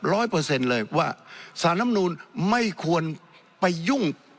เปอร์เซ็นต์เลยว่าสารน้ำนูนไม่ควรไปยุ่ง